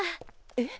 えっ？